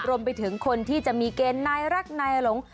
รวมไปถึงคนที่จะมีเกณฑ์นายรักนายหลง